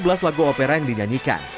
ada lagu opera yang dinyanyikan